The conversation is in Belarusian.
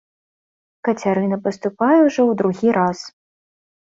Кацярына паступае ўжо ў другі раз.